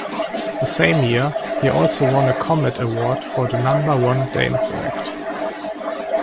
The same year he also won a Comet Award for the number-one Dance Act.